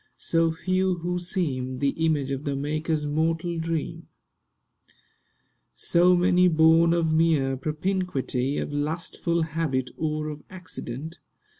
So few who seem The image of the Maker's mortal dream; So many born of mere propinquity— Of lustful habit, or of accident.